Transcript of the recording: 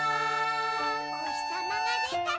「おひさまがでたら」